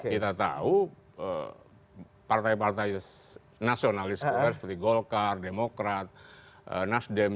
kita tahu partai partai nasionalis golkar seperti golkar demokrat nasdem